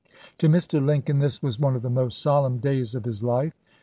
To Mr. Lincoln this was one of the most solemn days of his life.